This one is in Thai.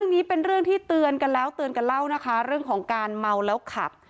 เรื่องนี้เป็นเรื่องที่เตือนกันแล้วเตือนกันเล่านะคะเรื่องของการเมาแล้วขับ